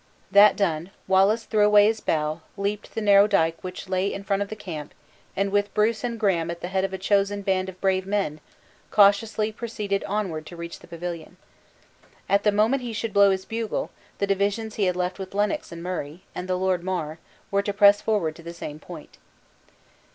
That done, Wallace threw away his bough, leaped the narrow dike which lay in front of the camp; and with Bruce and Graham at the head of a chosen band of brave men, cautiously proceeded onward to reach the pavilion. At the moment he should blow his bugle, the divisions he had left with Lennox and Murray, and the Lord Mar, were to press forward to the same point.